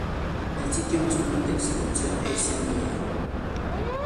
El sitio más común de extensión es al hígado.